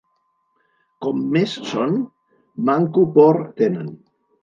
Com més són, manco por tenen.